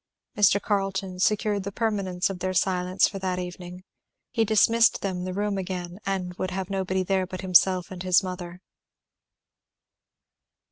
Mr. Carleton secured the permanence of their silence for that evening. He dismissed them the room again and would have nobody there but himself and his mother.